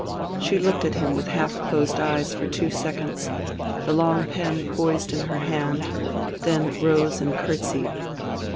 She looked at him with half closed eyes for two seconds, the long pen poised in her hand, then rose and curtseyed.